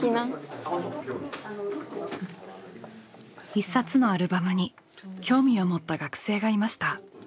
一冊のアルバムに興味を持った学生がいました。